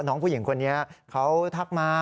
น้องผู้หญิงคนนี้เขาทักมา